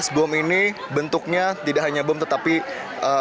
artinya dua belas bom ini bentuknya tidak hanya bom tetapi juga bom yang terbakar